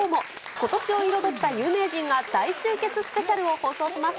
ことしを彩った有名人が大集結スペシャルを放送します。